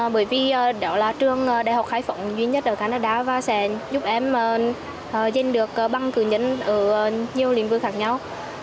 bởi vì đó là trường đại học khai phổng duy nhất ở canada và sẽ giúp em dình được băng cử nhân ở nhiều lĩnh vực khác nhau